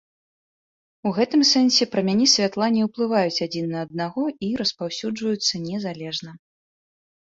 У гэтым сэнсе прамяні святла не ўплываюць адзін на аднаго і распаўсюджваюцца незалежна.